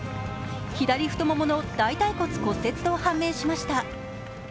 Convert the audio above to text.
左太ももの大たい骨骨折と判明しました。